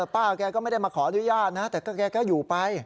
ป้าแกก็ไม่ได้มาขออนุญาตนะแต่แกก็อยู่ไป